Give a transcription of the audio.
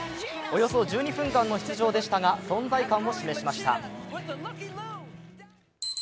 およそ１２分間の出場でしたが、存在感を示しました。